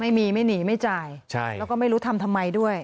ไม่มีไม่หนีไม่จ่ายแล้วก็ไม่รู้ทำทำไมด้วย